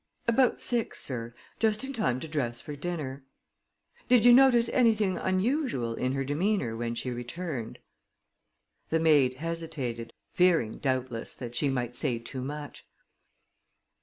"About six, sir; just in time to dress for dinner." "Did you notice anything unusual in her demeanor when she returned?" The maid hesitated, fearing doubtless that she might say too much.